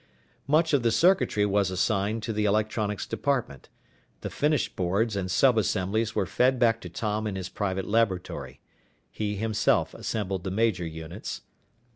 Much of the circuitry was assigned to the electronics department. The finished boards and sub assemblies were fed back to Tom in his private laboratory. He himself assembled the major units.